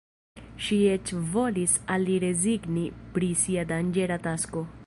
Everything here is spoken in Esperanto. Ŝi eĉ volis al li rezigni pri sia danĝera tasko.